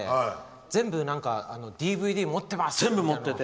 全部ＤＶＤ持ってますって言ってて。